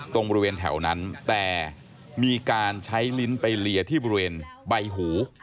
ตรงบริเวณแถวนั้นแต่มีการใช้ลิ้นไปเลียที่บริเวณใบหู